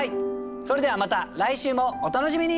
それではまた来週もお楽しみに！